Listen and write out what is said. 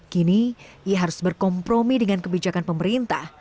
kini ia harus berkompromi dengan kebijakan pemerintah